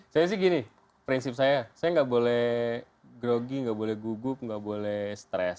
saya sih gini prinsip saya saya nggak boleh grogi nggak boleh gugup nggak boleh stres